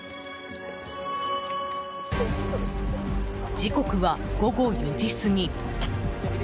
時刻は午後４時過ぎ。